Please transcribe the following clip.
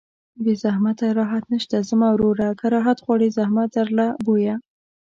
بې زحمته راحت نشته زما وروره که راحت غواړې زحمت در لره بویه